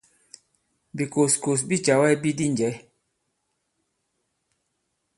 Bìkòskòs bi càwa ibi di njɛ̌.